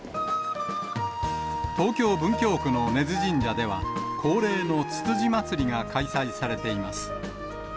東京・文京区の根津神社では、恒例のつつじまつりが開催されています。